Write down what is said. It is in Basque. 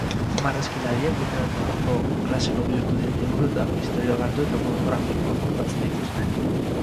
Marrazkilariek literaturako klasiko bihurtu diren liburuetako istorioak hartu eta modu grafikoan kontatzen dituzte.